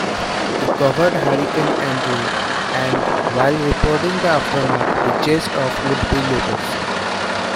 He covered Hurricane Andrew and while reporting the aftermath he chased off would-be looters.